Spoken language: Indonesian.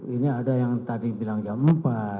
ini ada yang tadi bilang jam empat